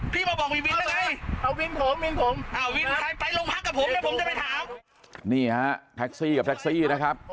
ใครไปลงพักกับผมเนี่ยผมจะไปถามนี่ฮะแท็กซี่กับแท็กซี่นะครับ